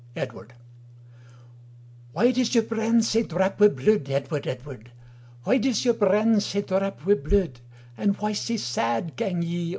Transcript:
Edward "WHY dois your brand sae drap wi bluid, Edward, Edward, Why dois your brand sae drap wi bluid, And why sae sad gang yee O?"